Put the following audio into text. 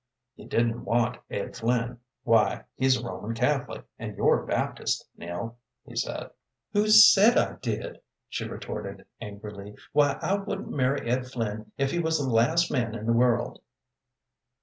"You didn't want Ed Flynn. Why, he's a Roman Catholic, and you're Baptist, Nell," he said. "Who said I did?" she retorted, angrily. "Why, I wouldn't marry Ed Flynn if he was the last man in the world."